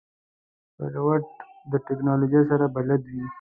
پیلوټ د تکنالوژۍ سره بلد وي.